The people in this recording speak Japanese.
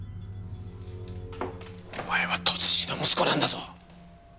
お前は都知事の息子なんだぞ。